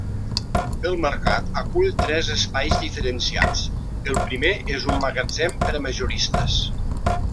El mercat acull tres espais diferenciats: el primer és un magatzem per a majoristes.